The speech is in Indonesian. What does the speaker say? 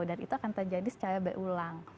dan itu akan terjadi secara berulang